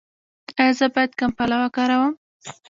ایا زه باید کمپله وکاروم؟